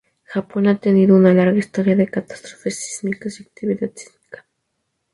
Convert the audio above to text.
Japón ha tenido una larga historia de catástrofes sísmicas y actividad sísmica.